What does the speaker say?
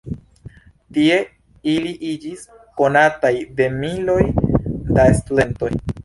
Tie ili iĝis konataj de miloj da studentoj.